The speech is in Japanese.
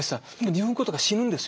２分後とか死ぬんですよ。